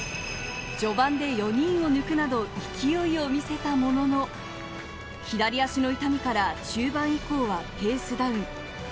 序盤で４人を抜くなど勢いを見せたものの、左足の痛みから中盤以降はペースダウン。